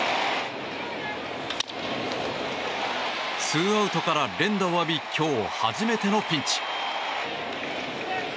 ツーアウトから連打を浴び今日初めてのピンチ。